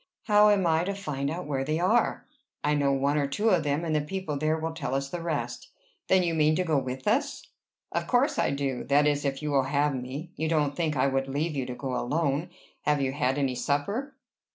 "How am I to find out where they are?" "I know one or two of them, and the people there will tell us the rest." "Then you mean to go with us?" "Of course I do, that is, if you will have me. You don't think I would leave you to go alone? Have you had any supper?"